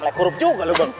alek huruf juga lu